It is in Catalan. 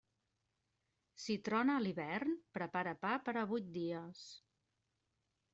Si trona a l'hivern, prepara pa per a vuit dies.